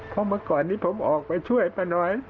เพราะเมื่อก่อนนี้ผมออกไปช่วยป้าน้อย